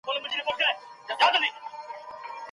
که جغرافيايي شرايط سخت وي خلګ هم سخت وي.